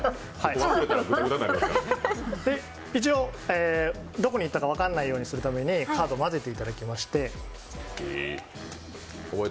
一応、どこにいったか分からないようにするためにカードを混ぜていただいて。